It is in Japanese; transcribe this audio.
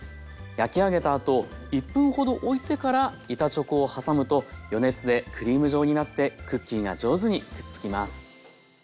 焼き上げたあと１分ほどおいてから板チョコを挟むと余熱でクリーム状になってクッキーが上手にくっつきます。